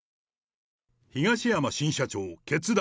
東山新社長、決断。